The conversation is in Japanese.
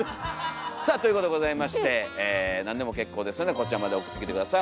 さあということでございまして何でも結構ですのでこちらまで送ってきて下さい。